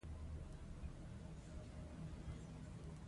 د کورنۍ وضعیت څنګه دی؟